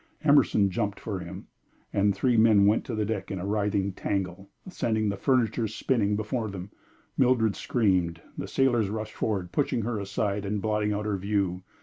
Emerson jumped for him, and the three men went to the deck in a writhing tangle, sending the furniture spinning before them. Mildred screamed, the sailors rushed forward, pushing her aside and blotting out her view.